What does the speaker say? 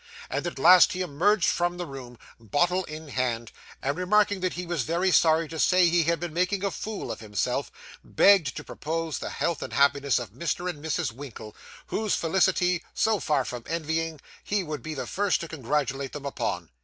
And at last he emerged from the room, bottle in hand, and, remarking that he was very sorry to say he had been making a fool of himself, begged to propose the health and happiness of Mr. and Mrs. Winkle, whose felicity, so far from envying, he would be the first to congratulate them upon.